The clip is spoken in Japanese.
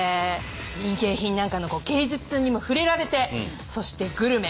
民芸品なんかの芸術にも触れられてそしてグルメ。